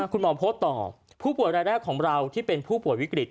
คุณหมอโพสต์ต่อผู้ป่วยรายแรกของเราที่เป็นผู้ป่วยวิกฤต